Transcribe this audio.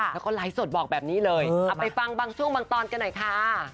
แล้วก็ไลฟ์สดบอกแบบนี้เลยเอาไปฟังบางช่วงบางตอนกันหน่อยค่ะ